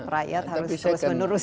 rakyat harus terus menerus